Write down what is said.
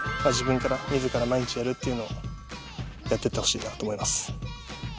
自分から自ら毎日やるっていうのをやっていってほしいなと思います。